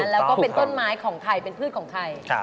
แล้วก็เป็นต้นไม้ของไทยเป็นพืชของไทย